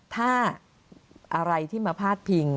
ถ้าอะไรที่มาพาดพิง